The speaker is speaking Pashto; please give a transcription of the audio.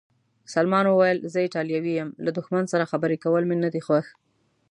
سلمان وویل: زه ایټالوی یم، له دښمن سره خبرې کول مې نه دي خوښ.